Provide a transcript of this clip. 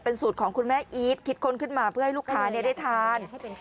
สูตรของคุณแม่อีทคิดค้นขึ้นมาเพื่อให้ลูกค้าได้ทาน